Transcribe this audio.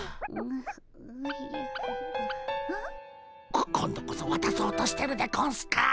こ今度こそわたそうとしてるでゴンスか？